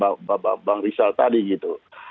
gugatan dari bang rizal tadi gitu